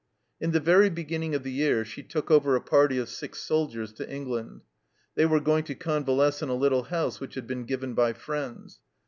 In the very beginning of the year, she took over a party of six soldiers to England ; they were going to convalesce in a little house which had been given by friends.